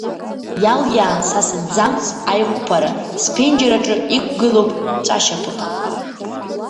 Иалиаан са сыҭӡамц аиҟәԥара, сԥенџьыр аҿы иқәгылоуп ҵәашьапык.